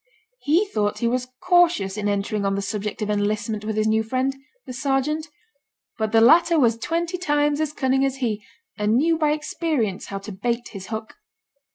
He thought he was cautious in entering on the subject of enlistment with his new friend, the sergeant; but the latter was twenty times as cunning as he, and knew by experience how to bait his hook.